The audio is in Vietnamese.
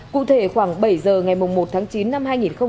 cụ thể khoảng bảy giờ ngày một tháng chín năm hai nghìn một mươi chín